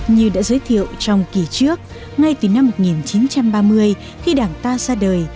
như đã giới thiệu trong kỳ trước ngay từ năm một nghìn chín trăm ba mươi khi đảng ta ra đời